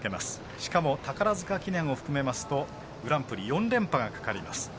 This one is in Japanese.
しかも宝塚記念を含めますと、グランプリ４連覇がかかります。